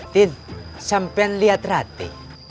tin sampe liat rati